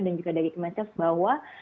dan juga dari kementerian kehidupan bahwa